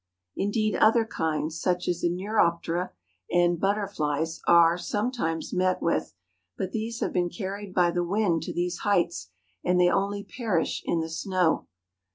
In¬ deed other kinds, such as the neuroptera and butter¬ flies, are sometimes met with, but these have been carried by the wind to these heights, and they only perish in the snow.